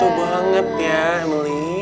menyentuh banget ya melih